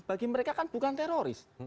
bagi mereka kan bukan teroris